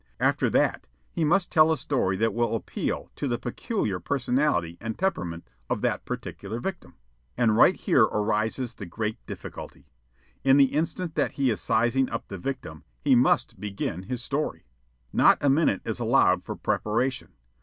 After that, he must tell a story that will appeal to the peculiar personality and temperament of that particular victim. And right here arises the great difficulty: in the instant that he is sizing up the victim he must begin his story. Not a minute is allowed for preparation.